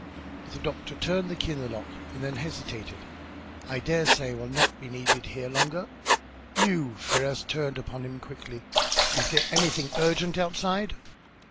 The doctor turned the key in the lock and then hesitated. "I dare say I will not be needed here longer?" "You!" Ferrars turned upon him quickly. "Is there anything urgent outside?"